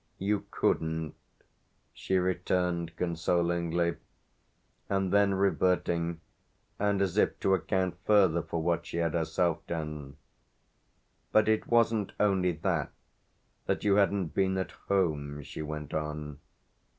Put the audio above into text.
"You couldn't!" she returned consolingly. And then reverting, and as if to account further for what she had herself done, "But it wasn't only that, that you hadn't been at home," she went on.